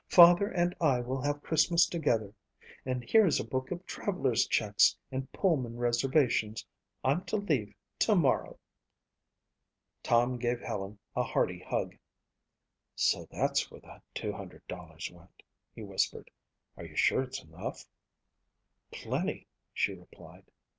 Father and I will have Christmas together! And here's a book of traveler's checks and Pullman reservations. I'm to leave tomorrow." Tom gave Helen a hearty hug. "So that's where the $200 went," he whispered. "Are you sure it's enough?" "Plenty," she replied.